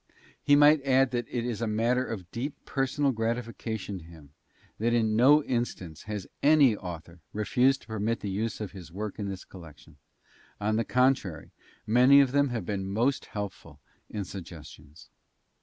He might add that it is a matter of deep personal gratification to him that in no instance has any author refused to permit the use of his work in this collection. On the contrary, many of them have been most helpful in suggestions.